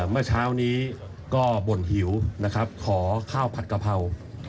เมื่อเช้านี้ก็บ่นหิวขอข้าวผัดกระเภา